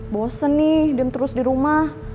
bosen nih diem terus di rumah